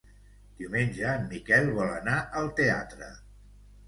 Diumenge en Miquel vol anar al teatre.